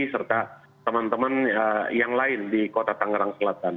serta teman teman yang lain di kota tangerang selatan